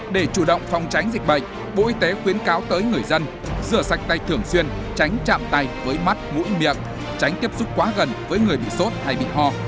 để chủ động phòng tránh dịch bệnh bộ y tế khuyến cáo tới người dân rửa sạch tay thường xuyên tránh chạm tay với mắt mũi miệng tránh tiếp xúc quá gần với người bị sốt hay bị ho